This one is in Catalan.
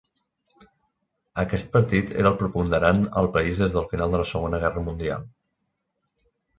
Aquest partit era el preponderant al país des del final de la Segona Guerra Mundial.